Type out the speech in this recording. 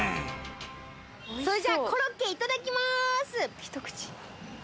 それじゃコロッケいただきます。